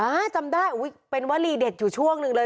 จำได้เป็นวลีเด็ดอยู่ช่วงหนึ่งเลย